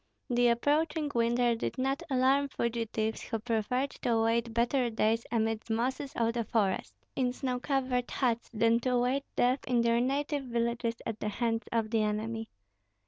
The approaching winter did not alarm fugitives, who preferred to await better days amid mosses of the forest, in snow covered huts, than to await death in their native villages at the hands of the enemy.